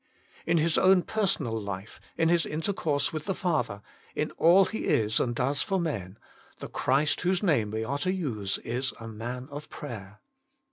In His own personal life, in His inter course with the Father, in all He is and does for men, the Christ whose name we are to use is a Man of prayer.